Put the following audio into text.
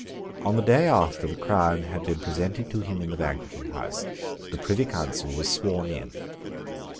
On the day after the crown had been presented to him in the Banqueting House, the Privy Council was sworn in.